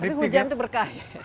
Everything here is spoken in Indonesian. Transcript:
tapi hujan itu berkah ya